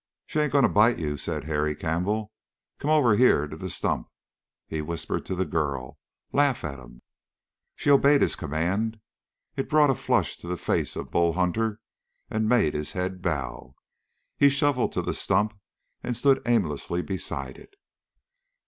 "She ain't going to bite you," said Harry Campbell. "Come on over here to the stump." He whispered to the girl, "Laugh at him!" She obeyed his command. It brought a flush to the face of Bull Hunter and made his head bow. He shuffled to the stump and stood aimlessly beside it.